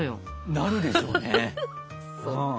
なるでしょうね。